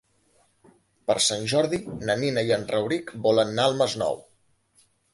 Per Sant Jordi na Nina i en Rauric volen anar al Masnou.